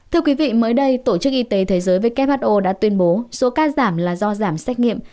thưa quý vị mới đây tổ chức y tế thế giới who đã tuyên bố số ca giảm là do giảm xét nghiệm